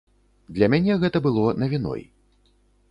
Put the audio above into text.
Для мяне гэта было навіной.